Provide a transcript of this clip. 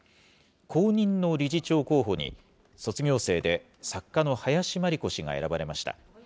後任の理事長候補に、卒業生で、作家の林真理子氏が選ばれました。